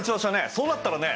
そうなったらね